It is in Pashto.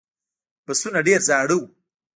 بسونه ډېر زاړه و.